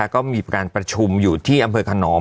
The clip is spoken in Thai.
ก็มีการประชุมอยู่ที่อำเภอขนอม